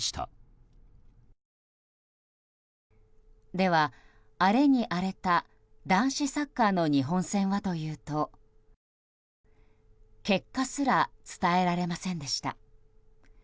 では、荒れに荒れた男子サッカーの日本戦はというと結果すら伝えられませんでした。